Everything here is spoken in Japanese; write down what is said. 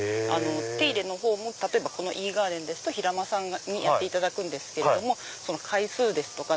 手入れの方も例えばこのＥガーデンですと平間さんにやっていただくんですけれども回数ですとか